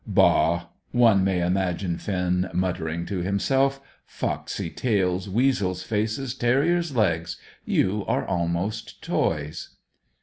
"Bah!" one may imagine Finn muttering to himself. "Foxy tails, weasel's faces, terrier's legs you are almost toys!"